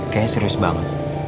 kayaknya serius banget